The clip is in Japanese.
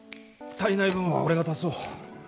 足りない分は俺が足そう。